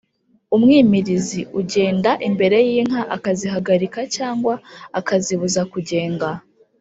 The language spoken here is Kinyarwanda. umwimirizi: ugenda imbere y’inka akazihagarika cyangwa akazibuza kugenga